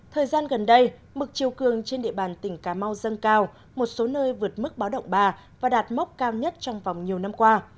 thời gian gần đây mực chiều cường trên địa bàn tỉnh cà mau dâng cao một số nơi vượt mức báo động ba và đạt mốc cao nhất trong vòng nhiều năm qua